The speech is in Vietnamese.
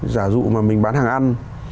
giả dụ mà mình bán hàng ăn